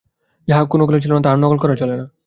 যাহা কোনকালে ছিল না, তাহার নকল করা চলে না।